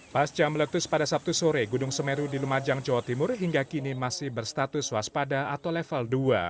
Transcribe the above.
pasca meletus pada sabtu sore gunung semeru di lumajang jawa timur hingga kini masih berstatus waspada atau level dua